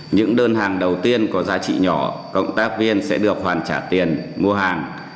những đơn hàng đầu tiên có giá trị nhỏ cộng tác viên sẽ được hoàn trả tiền mua hàng